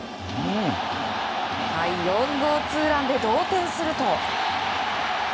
４号ツーランで同点にすると。